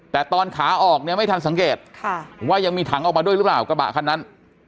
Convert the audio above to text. แต่ตอนขาออกเนี่ยไม่ทันสังเกตว่ายังมีถังออกมาด้วยหรือเปล่ากระบะคันนั้น